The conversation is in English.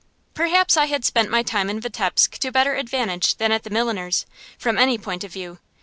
Perhaps I had spent my time in Vitebsk to better advantage than at the milliner's, from any point of view.